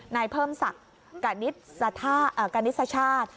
นายเพิ่มศักดิ์กณิชชาติ